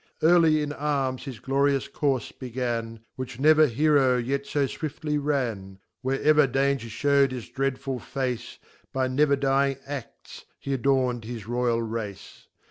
Early in Arms his glorious courfe began, Which never Heave yet fo fwiftly ran. Wherever danger (hew'd its dreadful face, By never dying a&s, h'adorn'd his Royal Race.